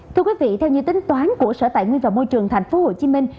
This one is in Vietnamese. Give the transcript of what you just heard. thưa quý vị theo như tính toán của sở tài nguyên và môi trường thành phố hồ chí minh